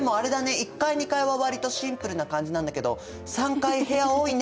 １階２階は割とシンプルな感じなんだけど３階部屋多いね！